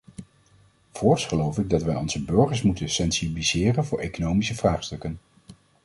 Voorts geloof ik dat wij onze burgers moeten sensibiliseren voor economische vraagstukken.